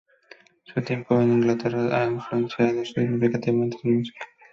Su tiempo en Inglaterra ha influenciado significativamente su música.